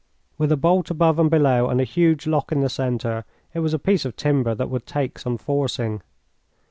With a bolt above and below and a huge lock in the centre it was a piece of timber that would take some forcing.